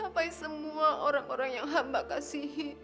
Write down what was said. tolonglah ya allah